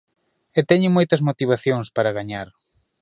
E teñen moitas motivacións para gañar.